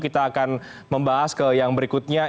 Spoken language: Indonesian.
kita akan membahas ke yang berikutnya